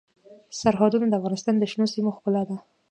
سرحدونه د افغانستان د شنو سیمو ښکلا ده.